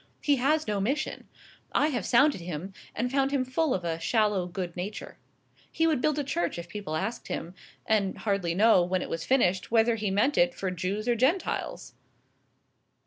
He has no mission. I have sounded him, and found him full of a shallow good nature. He would build a church if people asked him, and hardly know, when it was finished, whether he meant it for Jews or Gentiles."